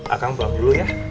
akang bawa dulu ya